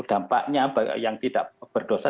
dampaknya yang tidak berdosa